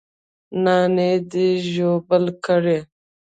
نانى دې ژوبل کړى.